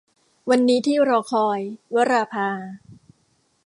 วันนี้ที่รอคอย - วราภา